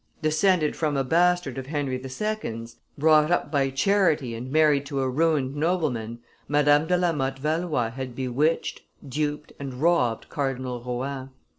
Descended from a bastard of Henry II.'s, brought up by charity and married to a ruined nobleman, Madame de la Motte Valois had bewitched, duped, and robbed Cardinal Rohan.